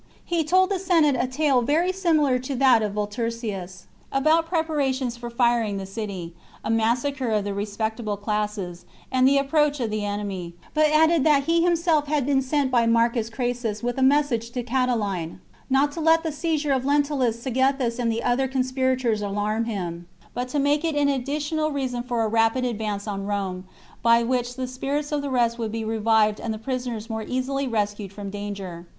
He told the Senate a tale very similar to that of Vol turcius, about preparations for firing the city, a massacre of the respectable classes, and the approach t L THE CONSPIRACY OF CATILINE. 4 1 of the enemy, but added that he himself had been chap. sent by Marcus Crassus with* a message to Catiline "not to let the seizure of Lentulus, Cethegus, and others of the conspirators alarm him, but to make it an additional reason for a rapid advance on Rome, by which the spirits of the rest would be revived and the prisoners more easily rescued from danger."